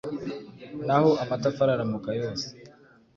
Naho amatafari aromoka yose